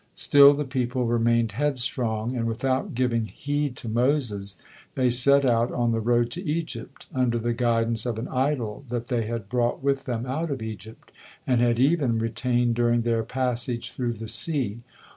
'" Still the people remained headstrong, and without giving heed to Moses, they set out on the road to Egypt, under the guidance of an idol that they had brought with them out of Egypt, and had even retained during their passage through the sea.